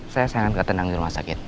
saya sangat ketenang di rumah sakit